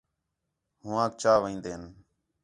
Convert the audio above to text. ہوآنک چا وین٘دِن